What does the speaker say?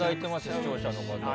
視聴者の方から。